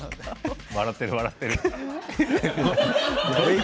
笑ってる笑ってる。